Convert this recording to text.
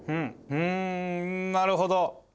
うんなるほど。